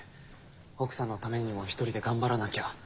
「奥さんのためにも１人で頑張らなきゃ。